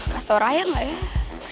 kasih tau raya ga ya